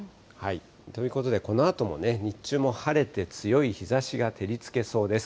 ということで、このあともね、日中も晴れて強い日ざしが照りつけそうです。